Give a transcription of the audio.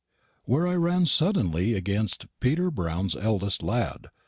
wear I ran suddennly agenst Peter Browne's eldest ladd.